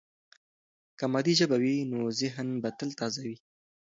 که مادي ژبه وي، نو ذهن به تل تازه وي.